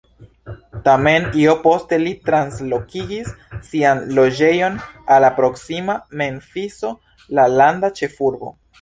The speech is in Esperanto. Tamen, io poste li translokigis sian loĝejon al la proksima Memfiso, la landa ĉefurbo.